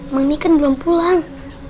mami kan belum pulang